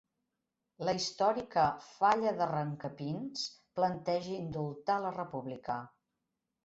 La històrica Falla d'Arrancapins planteja indultar la República